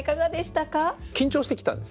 緊張して来たんですね。